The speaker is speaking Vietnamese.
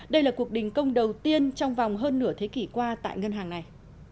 đây là cuộc đình công đầu tiên trong vòng hơn nửa thế kỷ qua tại ngân hàng này